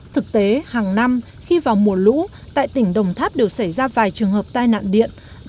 thực tế hàng năm khi vào mùa lũ tại tỉnh đồng tháp đều xảy ra vài trường hợp tai nạn điện